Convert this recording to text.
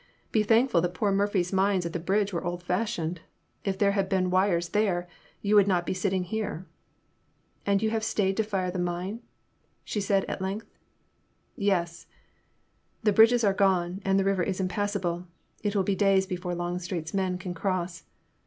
Be thankful that poor Murphy's mines at the bridge were old fashioned. If there had been wires there, you would not be sitting here." And you have stayed to fire this mine ?" she said at length. Yes." The bridges are gone, and the river is impass able. It will be days before Longstreet's men can cross."